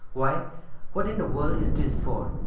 "Why, what in the world is this for?"